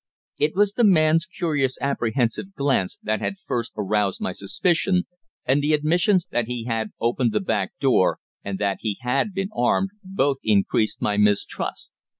It was the man's curious apprehensive glance that had first aroused my suspicion, and the admissions that he had opened the back door, and that he had been armed, both increased my mistrust.